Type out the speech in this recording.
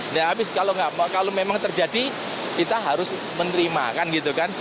nah habis kalau memang terjadi kita harus menerima kan gitu kan